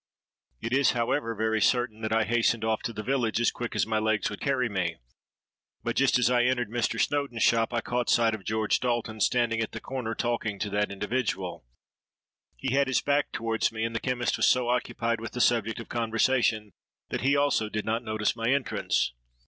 It is, however, very certain that I hastened off to the village as quick as my legs would carry me. But just as I entered Mr. Snowdon's shop, I caught sight of George Dalton, standing at the counter talking to that individual. He had his back towards me; and the chemist was so occupied with the subject of conversation, that he also did not notice my entrance.